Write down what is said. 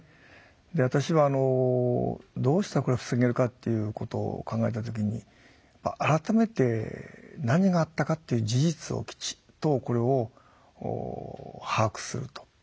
で私はどうしたらこれを防げるかっていうことを考えた時に改めて何があったかっていう事実をきちっとこれを把握すると。